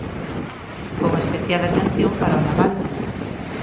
Con especial atención para o naval.